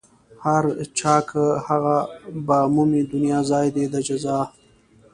هر چې کا هغه به مومي دنيا ځای دئ د جزا